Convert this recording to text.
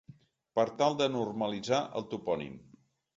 Per tal de normalitzar el topònim.